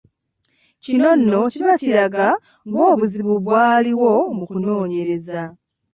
Kino nno kiba kiraga nga obuzibu bwaliwo mu kunoonyereza.